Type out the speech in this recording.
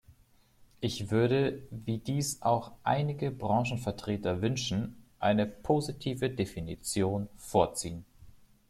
Ich würde – wie dies auch einige Branchenvertreter wünschen – eine positive Definition vorziehen.